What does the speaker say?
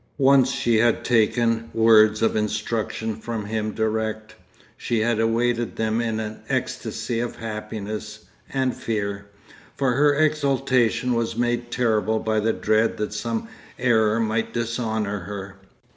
Once she had taken words of instruction from him direct. She had awaited them in an ecstasy of happiness—and fear. For her exaltation was made terrible by the dread that some error might dishonour her....